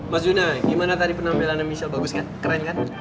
mas duna gimana tadi penampilan michelle bagus gak keren kan